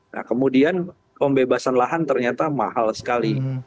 nah kemudian pembebasan lahan ternyata mahal sekali